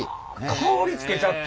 香りつけちゃった！？